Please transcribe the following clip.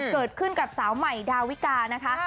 เกิดขึ้นกับสาวใหม่ดาวิกานะคะ